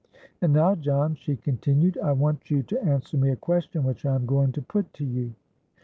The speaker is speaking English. —'And now, John,' she continued, 'I want you to answer me a question which I am going to put to you.